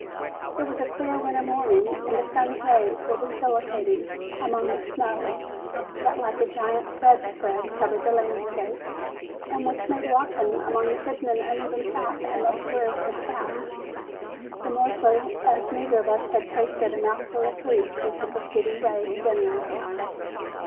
It was a clear winter morning, and the sun's rays were vacillating upon the snow, that like a gigantic bedspread covered the landscape, and which made walking upon the hidden and uneven track a most wearisome task, the more so as neither of us had tasted a mouthful of food since the preceding day's dinner hour.